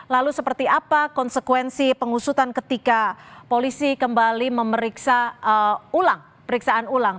lalu seperti apa konsekuensi pengusutan ketika polisi kembali memeriksa ulang periksaan ulang